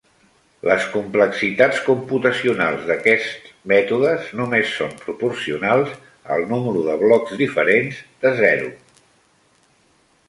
Les complexitats computacionals d'aquests mètodes només són proporcionals al número de blocs diferents de zero.